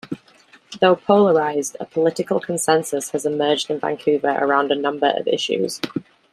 Though polarized, a political consensus has emerged in Vancouver around a number of issues.